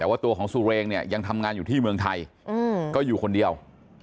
แต่ว่าตัวของสุเรงเนี่ยยังทำงานอยู่ที่เมืองไทยก็อยู่คนเดียว